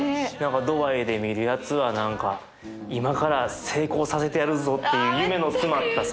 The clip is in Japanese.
ドバイで見るやつは何か今から成功させてやるぞっていう夢の詰まったさ光に見えるし。